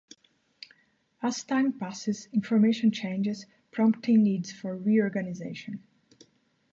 As time passes, information changes, prompting needs for reorganization.